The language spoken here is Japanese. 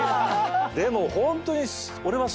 でもホントに俺は。